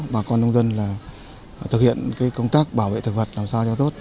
bà con nông dân là thực hiện công tác bảo vệ thực vật làm sao cho tốt